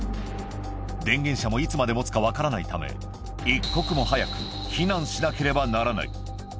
電源車もいつまでもつか分からないため、一刻も早く避難しなければならない。